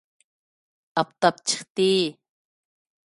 ئاپتاپ چىقتى